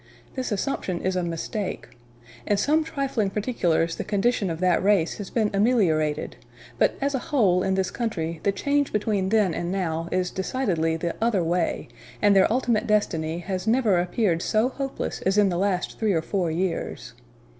This assumption is a mistake. In some trifling particulars the condition of that race has been ameliorated; but as a whole, in this country, the change between then and now is decidedly the other way; and their ultimate destiny has never appeared so hopeless as in the last three or four years.